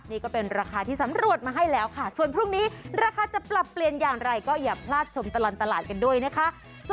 นี่ก็เป็นราคาที่สำรวจมาให้แล้วค่ะส่วนพรุ่งนี้ราคาจะปรับเปลี่ยนอย่างไรก็อย่าพลาดชมตลอดตลาดกันด้วยนะคะ